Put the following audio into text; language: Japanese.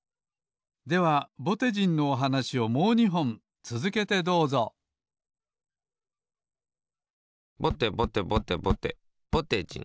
ではぼてじんのおはなしをもう２ほんつづけてどうぞぼてぼてぼてぼてぼてじん。